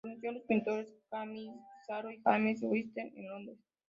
Conoció a los pintores Camille Pissarro y James Whistler en Londres.